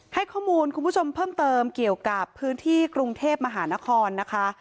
ให้ข้อมูลคุณผู้ชมเพิ่มเติมเกี่ยวกับพื้นที่กรุงเทพมหานครนะคะ